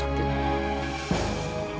masuklah satria masuk